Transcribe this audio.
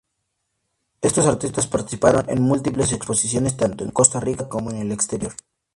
Estos artistas participaron en múltiples exposiciones tanto en Costa Rica como en el exterior.